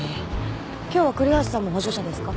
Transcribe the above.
今日は栗橋さんも補助者ですか？